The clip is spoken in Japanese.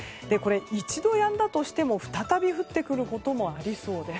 一度止んだとしても再び降ってくることもありそうです。